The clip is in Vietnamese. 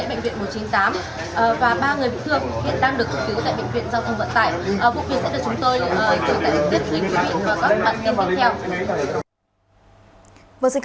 vụ kiếm sẽ được chúng tôi gửi tại bệnh viện và các bản tin tiếp theo